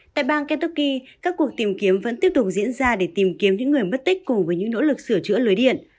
tại bang kentoki các cuộc tìm kiếm vẫn tiếp tục diễn ra để tìm kiếm những người mất tích cùng với những nỗ lực sửa chữa lưới điện